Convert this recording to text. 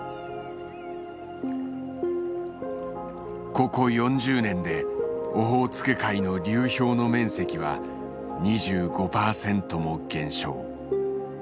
ここ４０年でオホーツク海の流氷の面積は２５パーセントも減少。